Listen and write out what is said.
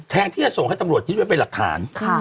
ที่จะส่งให้ตำรวจยึดไว้เป็นหลักฐาน